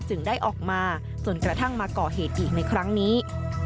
ได้ออกมาจนกระทั่งมาก่อเหตุอีกในครั้งนี้